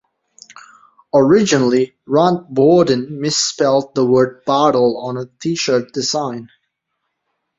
Originally, Rand Borden misspelled the word "battle" on a T-shirt design.